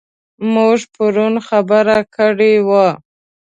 موږ پرون خبره کړې وه.